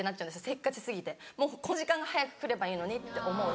せっかち過ぎてもうこの時間が早く来ればいいのにって思うし。